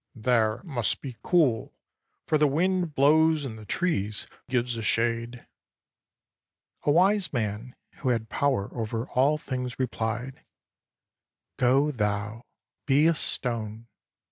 There it must be cool, for the wind blows and the trees give a shade." A wise man who had power over all things replied, " Go thou, be a stone."